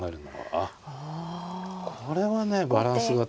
あっこれはねバランス型の。